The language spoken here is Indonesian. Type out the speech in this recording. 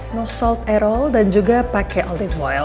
no salt at all dan juga pakai olive oil